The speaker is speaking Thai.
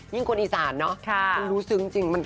ยิ่งคนอีสานเนอะรู้สึกจริง